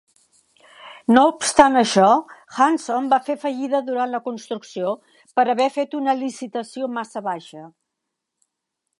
No obstant això, Hansom va fer fallida durant la construcció, per haver fet una licitació massa baixa.